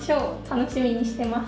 楽しみにしてます。